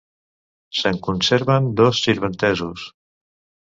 Se'n conserven dos sirventesos.